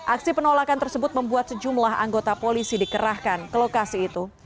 aksi penolakan tersebut membuat sejumlah anggota polisi dikerahkan ke lokasi itu